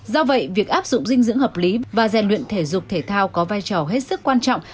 do vậy việc áp dụng dinh dưỡng hợp lý và rèn luyện thể dục thể thao có vai trò hết sức quan trọng